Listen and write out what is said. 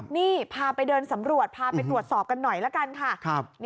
นี่พาไปเดินสำรวจพาไปตรวจสอบกันหน่อยละกันค่ะ